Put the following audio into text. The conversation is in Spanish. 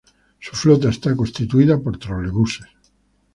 Su flota está constituida por trolebuses.